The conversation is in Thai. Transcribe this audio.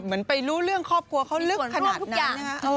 เหมือนไปรู้เรื่องครอบครัวเขาลึกขนาดนั้น